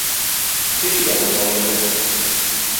Ды і я даўно вырас.